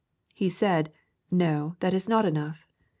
He said, "No, that is not enough.